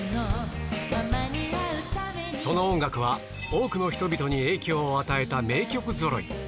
その音楽は、多くの人々に影響を与えた名曲ぞろい。